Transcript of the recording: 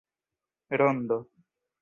rondo